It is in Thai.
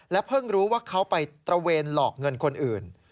เพิ่งรู้ว่าเขาไปตระเวนหลอกเงินคนอื่น